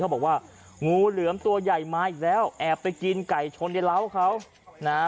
บอกว่างูเหลือมตัวใหญ่มาอีกแล้วแอบไปกินไก่ชนในร้าวเขานะฮะ